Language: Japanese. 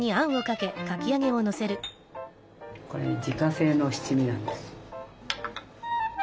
これ自家製の七味なんです。